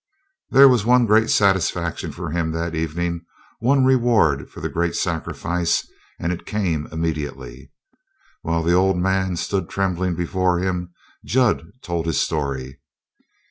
There was one great satisfaction for him that evening, one reward for the great sacrifice, and it came immediately. While the old man stood trembling before him, Jud told his story.